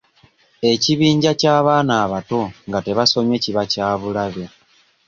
Ekibinja ky'abaana abato nga tebasomye kiba kya bulabe.